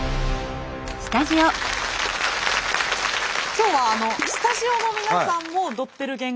今日はスタジオの皆さんもドッペルゲンガーしています。